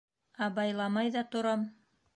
Абайламай ҙа торам.